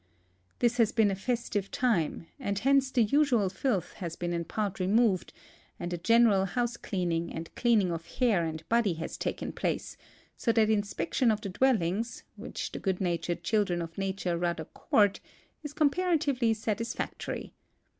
This has been a festive time, and hence the usual filth has been in part removed and a general house cleaning and cleaning of hair and body has taken place, so that inspection of the dwellings, which the good natured children of Nature rather court, is com paratively satisfactory.